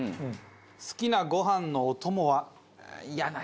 好きなご飯のお供は？